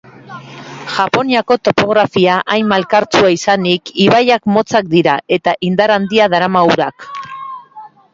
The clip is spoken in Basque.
Japoniako topografia hain malkartsua izanik, ibaiak motzak dira eta indar handia darama urak.